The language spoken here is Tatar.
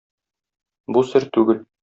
Бу сер түгел.